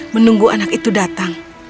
menunggu anak itu datang